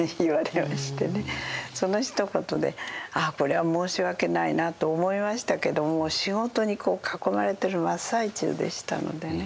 そのひと言でああこれは申し訳ないなと思いましたけどもう仕事に囲まれてる真っ最中でしたのでね。